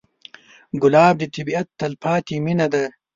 ګلاب د طبیعت تلپاتې مینه ده.